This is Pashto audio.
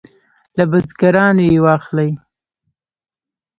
له بزګرانو یې واخلي.